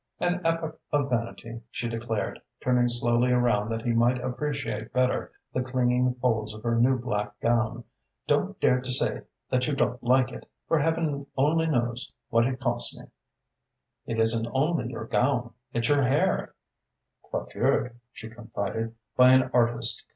"An epoch of vanity," she declared, turning slowly around that he might appreciate better the clinging folds of her new black gown. "Don't dare to say that you don't like it, for heaven only knows what it cost me!" "It isn't only your gown it's your hair." "Coiffured," she confided, "by an artist.